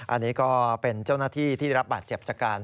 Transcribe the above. อันนี้ก็เป็นเจ้าหน้าที่ที่รับบาดเจ็บจากการ